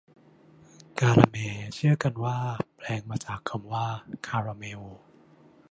กาละแม เชื่อกันว่าแปลงมาจากคำว่าคาราเมล